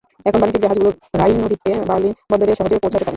এখন বাণিজ্যিক জাহাজগুলো রাইন নদীতে, বার্লিন বন্দরে সহজে পৌঁছাতে পারে।